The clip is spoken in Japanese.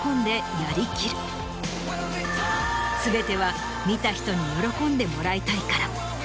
全ては見た人に喜んでもらいたいから。